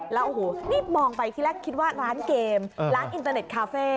แล้วโอ้โหนี่มองไปที่แรกคิดว่าร้านเกมร้านอินเตอร์เน็ตคาเฟ่